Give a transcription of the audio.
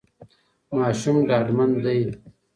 ماشوم ډاډمن دی.